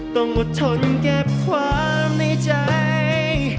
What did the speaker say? ต้องอดทนเก็บความในใจ